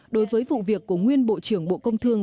đối với vụ việc của nguyên bộ trưởng bộ công thương